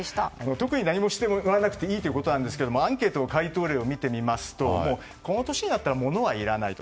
特に何もしてもらわなくていいということですがアンケート解答例を見ていますとこの年になったらものはいらないと。